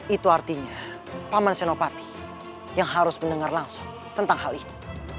itu artinya paman senopati yang harus mendengar langsung tentang hal ini